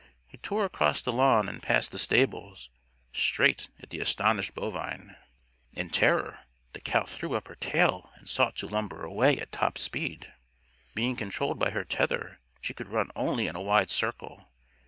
He tore across the lawn and past the stables, straight at the astonished bovine. In terror, the cow threw up her tail and sought to lumber away at top speed. Being controlled by her tether she could run only in a wide circle.